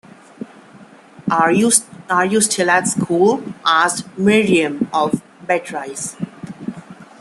“Are you still at school?” asked Miriam of Beatrice.